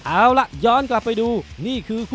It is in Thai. สวัสดีครับสวัสดีครับ